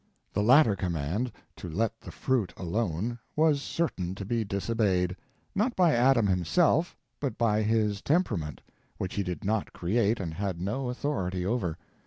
The latter command, to let the fruit alone, was certain to be disobeyed. Not by Adam himself, but by his temperament—which he did not create and had no authority over.